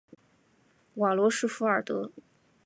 瓦罗什弗尔德。